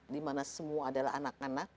dimana semua adalah anak anak